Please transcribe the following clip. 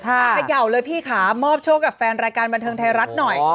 เขย่าเลยพี่ค่ะมอบโชคกับแฟนรายการบันเทิงไทยรัฐหน่อย